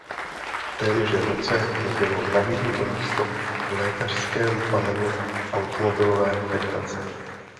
V témže roce mu bylo nabídnuto místo v lékařském panelu automobilové federace.